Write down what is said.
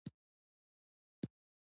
بايد خپل يو شمېر آزادۍ د لاسه ورکړي